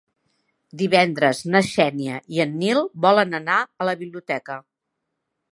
Divendres na Xènia i en Nil volen anar a la biblioteca.